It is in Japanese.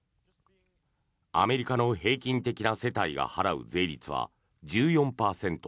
アメリカの平均的な世帯が払う税率は１４％。